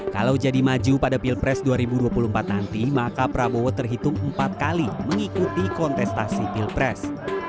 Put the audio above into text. kalau jadi maju pada pilpres dua ribu dua puluh empat nanti maka prabowo terhitung empat kali mengikuti kontestasi pilpres